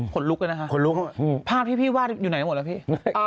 ขนลุกเลยฮะภาพที่พี่วาดอยู่ไหนหมดแล้วพี่